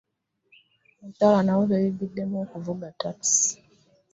abakyala nabo benyigidde mu kuvuga ttakisi.